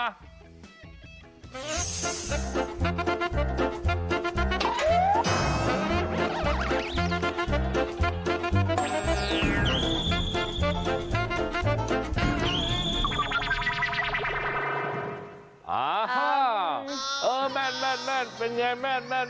อ่าฮ่าแม่นเป็นอย่างไรแม่น